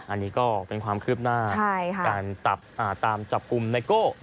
อันนี้ก็เป็นความคืบหน้าการตามจับกลุ่มไนโก้